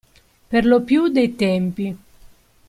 Per lo più dei tempi.